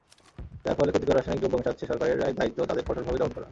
যারা ফলে ক্ষতিকর রাসায়নিক দ্রব্য মেশাচ্ছে, সরকারের দায়িত্ব তাদের কঠোরভাবে দমন করা।